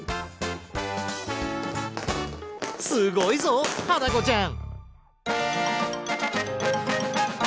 すごいぞはなこちゃん！